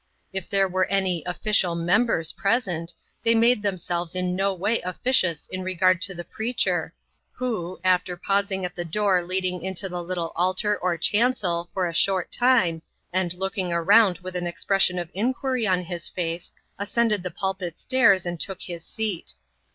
If there were any "official members" present, they made themselves in no way officious in regard to the preacher, who, after pausing at the door leading into the little altar or chancel for a short time, and looking around with an expression of inquiry on his face, ascended the pulpit stairs and took his seat.